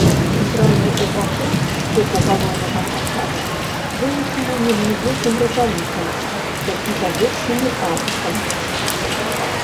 Цэнтральны ўваход з боку галоўнага фасада вылучаны неглыбокім рызалітам, які завершаны атыкам.